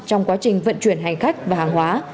trong quá trình vận chuyển hành khách và hàng hóa